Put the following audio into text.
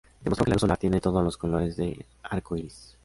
Demostró que la luz solar tiene todos los colores del arco iris.